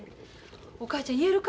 お母ちゃん言えるか？